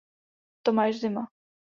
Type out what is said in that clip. Tomáš Zima.